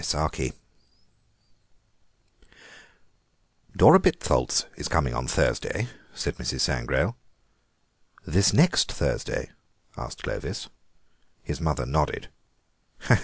THE HEN "Dora Bittholz is coming on Thursday," said Mrs. Sangrail. "This next Thursday?" asked Clovis His mother nodded.